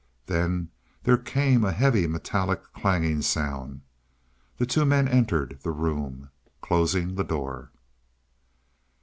Then there came a heavy metallic clanging sound; the two men entered the room, closing the door.